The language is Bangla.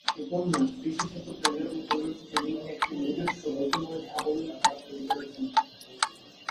উপন্যাস, বিশেষত প্রেমের উপন্যাসে তিনি একটি নিজস্ব গতিময় সাবলীল ধারা তৈরি করেছেন।